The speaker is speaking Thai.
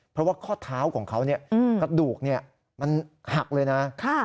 เพราะว่าข้อเท้าของเขาเนี่ยกระดูกเนี่ยมันหักเลยนะฮะ